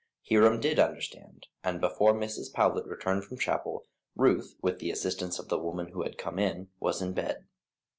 Hiram did understand, and before Mrs. Powlett returned from chapel, Ruth, with the assistance of the woman who had come in, was in bed.